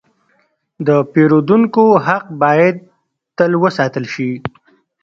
د پیرودونکو حق باید تل وساتل شي.